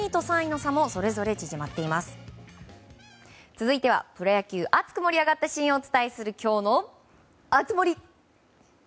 続いては、プロ野球熱く盛り上がったシーンをお届けする、きょうの熱盛。